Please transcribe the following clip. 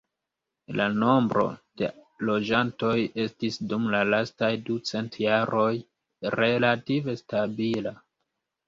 La nombro da loĝantoj estis dum la lastaj ducent jaroj relative stabila.